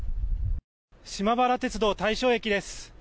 島原鉄道大正駅です。